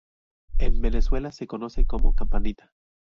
En Venezuela se conoce como "campanita".